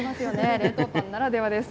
冷凍パンならではです。